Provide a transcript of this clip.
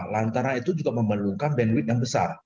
lantaran itu juga memerlukan bandwidth yang besar